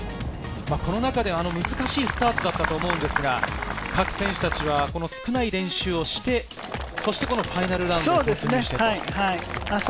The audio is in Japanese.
この中で難しいスタートだったと思うんですが、各選手たちは少ない練習をして、そしてこのファイナルラウンドに突入したと。